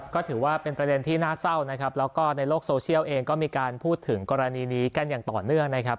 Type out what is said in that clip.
ก็ถือว่าเป็นประเด็นที่น่าเศร้านะครับแล้วก็ในโลกโซเชียลเองก็มีการพูดถึงกรณีนี้กันอย่างต่อเนื่องนะครับ